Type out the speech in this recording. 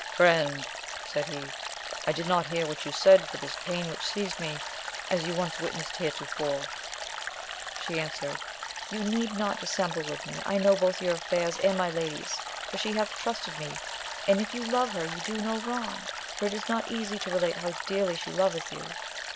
Friend! said he, I did not hear what you said for this pain which seized me, as you once witnessed heretofore. She answered, you need not dissemble with me. I know both your affairs and my lady's, ioi: ^^ \s3a50cL 60 AMADIS OF GAUL. trusted me, and if you love her you do no wrong, for it is not easy to relate how dearly she loveth you.